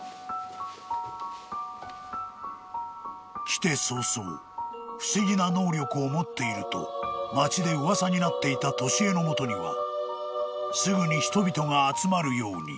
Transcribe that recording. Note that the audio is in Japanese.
［来て早々不思議な能力を持っていると町で噂になっていた年恵の元にはすぐに人々が集まるように］